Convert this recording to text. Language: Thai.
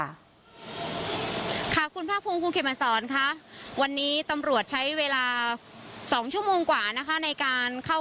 ที่แยกดินแดงตรงนี้ไม่มีตำรวจอยู่แล้วนะคะ